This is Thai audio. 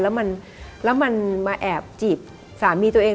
แล้วมันมาแอบจีบสามีตัวเอง